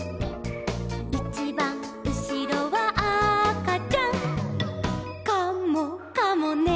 「いちばんうしろはあかちゃん」「カモかもね」